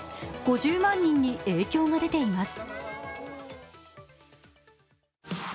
５０万人に影響が出ています。